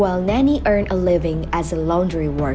sementara nanny memperoleh hidup sebagai pekerja lantai